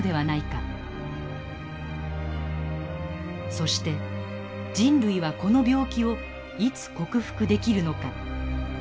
そして人類はこの病気をいつ克服できるのか。